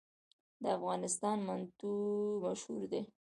د افغانستان منتو مشهور دي